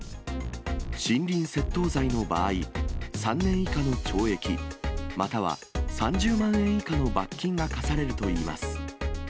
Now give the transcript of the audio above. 森林窃盗罪の場合、３年以下の懲役、または３０万円以下の罰金が科されるといいます。